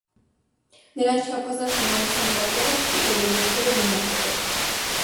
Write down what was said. Նրանց չափազանց նմանության պատճառով ստիպել է եղբորը դիմակ կրել։